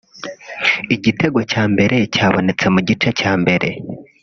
Igitego cya mbere cyabonetse mu gice cya mbere